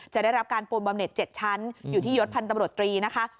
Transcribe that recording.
ได้รับการปูนบำเน็ต๗ชั้นอยู่ที่ยศพันธ์ตำรวจตรีนะคะ